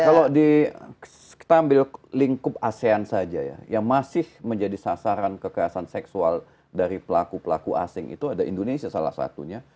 kalau kita ambil lingkup asean saja ya yang masih menjadi sasaran kekerasan seksual dari pelaku pelaku asing itu ada indonesia salah satunya